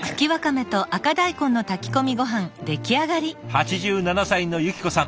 ８７歳の由紀子さん。